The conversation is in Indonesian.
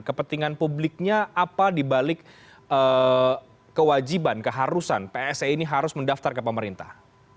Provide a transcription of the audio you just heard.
kepentingan publiknya apa dibalik kewajiban keharusan pse ini harus mendaftar ke pemerintah